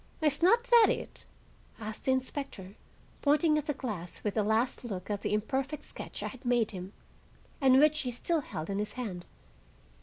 "Is not that it?" asked the inspector, pointing at the glass with a last look at the imperfect sketch I had made him, and which he still held in his hand.